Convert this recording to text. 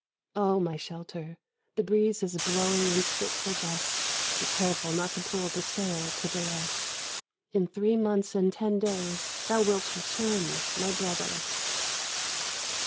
Oh, my shelter! the breeze is blowing in fitful gusts; Be careful not to pull the sail to the left. In three months and ten days, Thou wilt return, my brother!